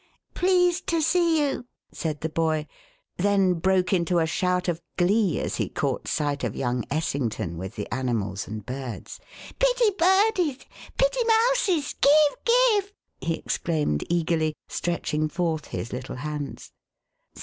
"Pleased to see oo," said the boy, then broke into a shout of glee as he caught sight of young Essington with the animals and birds. "Pitty birdies! pitty mouses! Give! give!" he exclaimed eagerly, stretching forth his little hands.